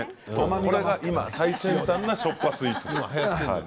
最先端なしょっぱスイーツです。